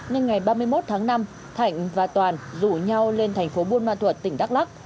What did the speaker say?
nên ngày ba mươi một tháng năm thạnh và toàn rủ nhau lên thành phố buôn ma thuật tỉnh đắk lắc